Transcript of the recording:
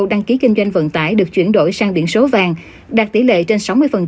đăng ký kinh doanh vận tải được chuyển đổi sang biển số vàng đạt tỷ lệ trên sáu mươi